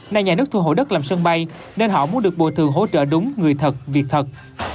nay nhà nước thu hồi đất làm sân bay nên họ muốn được bồi thường hỗ trợ đúng người thật việc thật